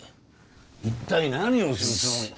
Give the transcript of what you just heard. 一体何をするつもりだ。